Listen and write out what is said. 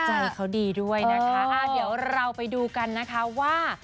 ใจเขาดีด้วยนะคะอ่าเดี๋ยวเราไปดูกันนะคะว่า